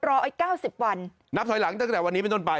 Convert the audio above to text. ไอ้เก้าสิบวันนับถอยหลังตั้งแต่วันนี้เป็นต้นไป